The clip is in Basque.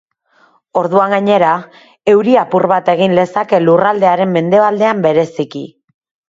Orduan gainera, euri apur bat egin lezake lurraldearen mendebaldean bereziki.